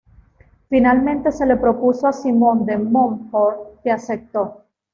Finalmente se le propuso a Simón de Montfort, que aceptó.